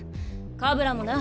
カブラもな。